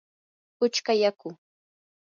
puchka yaku.